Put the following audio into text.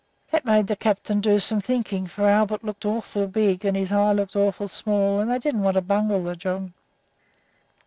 "This made the captain do some thinking, for Albert looked awful big and his eye looked awful small, and they didn't want to bungle the job.